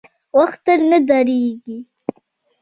• وخت تل نه درېږي.